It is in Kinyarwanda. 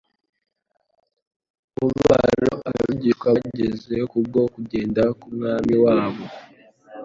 Umubabaro abigishwa bagize kubwo kugenda k'Umwami wabo,